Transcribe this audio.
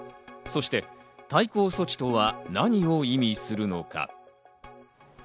そして対抗措置とは何を意味するのか？